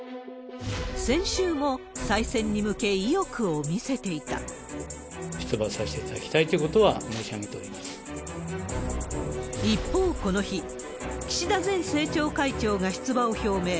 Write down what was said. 先週も再選に向け、出馬をさせていただきたいと一方、この日、岸田前政調会長が出馬を表明。